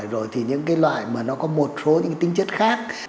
rồi những loại có một số tính chất khác